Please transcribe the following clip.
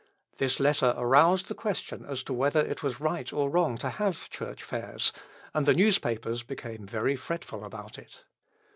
This letter aroused the question as to whether it was right or wrong to have Church fairs, and the newspapers became very fretful about it.